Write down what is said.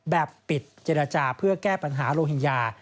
แบบปิดเจรจาเพื่อแก้ปัญหาโลหิงญา